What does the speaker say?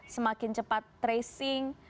semakin cepat tracing